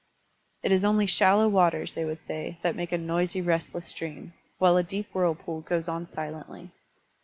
It is only shallow waters, they would say, that make a noisy, rest less stream, while a deep whirlpool goes on silently.